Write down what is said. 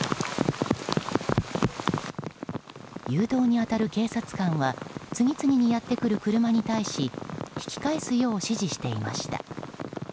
誘導に当たる警察官は次々にやってくる車に対し引き返すよう指示していました。